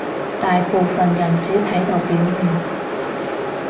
大部分人只睇到表面